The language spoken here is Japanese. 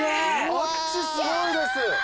あっちすごいです！